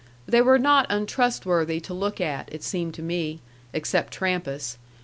They were not untrustworthy to look at, it seemed to me except Trampas.